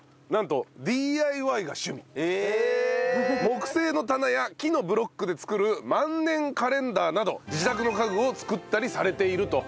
木製の棚や木のブロックで作る万年カレンダーなど自宅の家具を作ったりされていると。